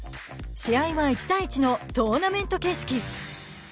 試合は１対１のトーナメント形式。